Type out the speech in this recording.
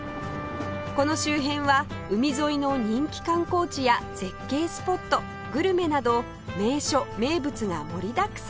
この周辺は海沿いの人気観光地や絶景スポットグルメなど名所名物が盛りだくさん